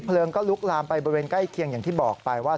ก็ลุกลามไปบริเวณใกล้เคียงอย่างที่บอกไปว่า